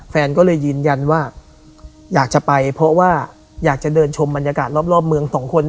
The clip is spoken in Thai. แฟนก็เลยยืนยันว่าอยากจะไปเพราะว่าอยากจะเดินชมบรรยากาศรอบเมืองสองคน